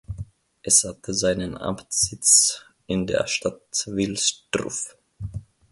Es hatte seinen Amtssitz in der Stadt Wilsdruff.